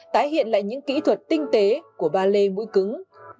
tái hiện lại những kỹ thuật tinh tế của ballet mũi cứng